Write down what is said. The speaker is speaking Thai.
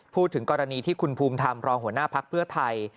พูดถึงกรณีที่คุณภูมิธรรมรองหัวหน้าภักดิ์เพื่อไทย